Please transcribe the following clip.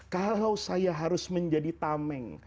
kalau saya harus menjadi tameng